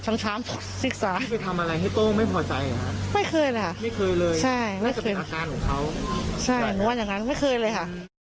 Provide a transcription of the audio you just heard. ใช่ผมว่าอย่างนั้นไม่เคยเลยค่ะ